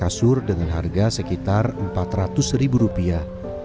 kasur dengan harga sekitar empat ratus ribu rupiah